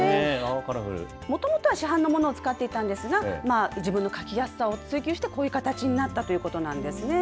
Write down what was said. もともとは市販のものを使っていたんですが、自分の書きやすさを追求して、こういう形になったということなんですね。